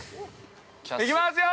◆行きますよ！